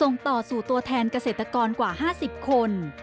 ส่งต่อสู่ตัวแทนเกษตรกรกว่า๕๐คน